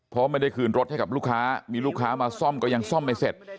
เพราะไม่ได้คืนรถให้กับลูกค้ามีลูกค้ามาซ่อมก็ยังซ่อมไม่เสร็จ